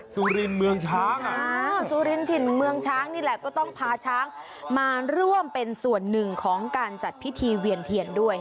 สุรินทินเมืองช้างนี่แหละก็ต้องพาช้างมาร่วมเป็นส่วนหนึ่งของการจัดพิธีเวียนเทียนด้วย